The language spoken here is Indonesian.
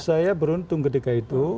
saya beruntung ketika itu